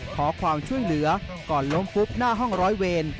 ขอความช่วยเหลือก่อนล้มฟุบหน้าห้องร้อยเวร